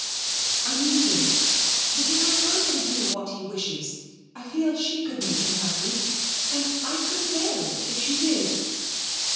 'I mean this, that if I can't ever do what he wishes, I feel she could make him happy; and I could bear it if she did.'